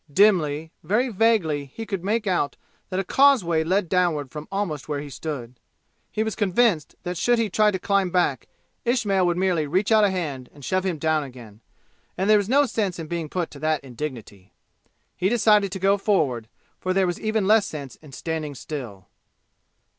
Dimly, very vaguely be could make out that a causeway led downward from almost where he stood. He was convinced that should he try to climb back Ismail would merely reach out a hand and shove him down again, and there was no sense in being put to that indignity. He decided to go forward, for there was even less sense in standing still.